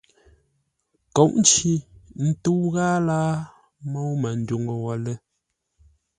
Kôʼ nci ńtə́u ghâa láa môu Manduŋ wə̂ lə́!